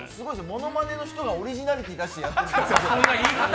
ものまねの人がオリジナリティー出してるって。